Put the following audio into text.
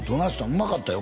うまかったよ